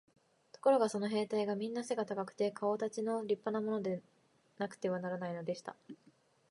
ところがその兵隊はみんな背が高くて、かおかたちの立派なものでなくてはならないのでした。